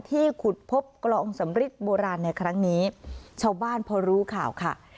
ขุดพบกลองสำริดโบราณในครั้งนี้ชาวบ้านพอรู้ข่าวค่ะ